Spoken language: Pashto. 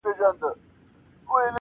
د ساقي د میوناب او د پیالو دی.